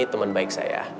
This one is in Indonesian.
temen baik saya